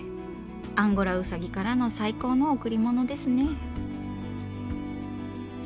アンゴラウサギからの最高の贈り物ですね。